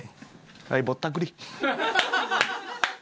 はいぼったくり。